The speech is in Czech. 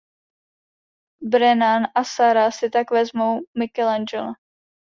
Brennan a Sara si tak vezmou Michelangela.